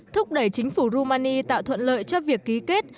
thúc đẩy chính phủ romani tạo thuận lợi cho việc ký kết